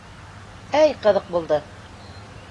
Әй ҡыҙыҡ булды!